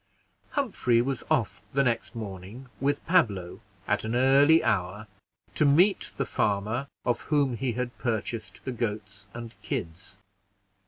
Humphrey was off the next morning, with Pablo, at an early hour, to meet the farmer of whom he had purchased the goats and kids.